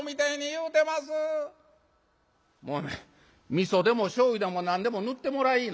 「みそでもしょうゆでも何でも塗ってもらいぃな」。